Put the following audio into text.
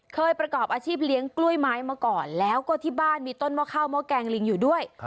ประกอบอาชีพเลี้ยงกล้วยไม้มาก่อนแล้วก็ที่บ้านมีต้นหม้อข้าวหม้อแกงลิงอยู่ด้วย